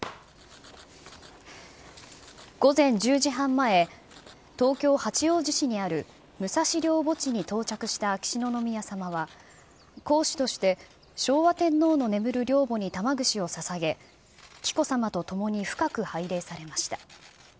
午前１０時半前、東京・八王子市にある武蔵陵墓地に到着した秋篠宮さまは、皇嗣として昭和天皇の眠る陵墓に玉串をささげ、紀子さまと共に深く拝礼されました。